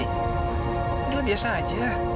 ini udah biasa aja